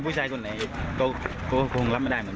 ทุกครั้งที่ทะเลาะกำ